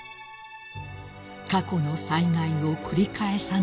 ［過去の災害を繰り返さないように］